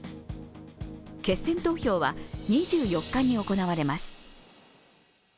決選投票は２４日に行われます。